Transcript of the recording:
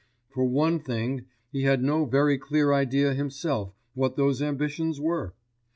For one thing, he had no very clear idea himself what those ambitions were.